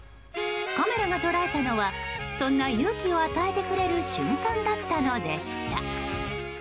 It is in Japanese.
カメラが捉えたのはそんな勇気を与えてくれる瞬間だったのでした。